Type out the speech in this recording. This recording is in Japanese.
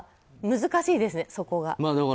難しいですね、そこが。